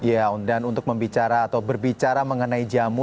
ya dan untuk membicara atau berbicara mengenai jamu